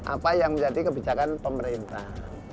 apa yang menjadi kebijakan pemerintah